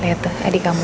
lihat tuh adik kamu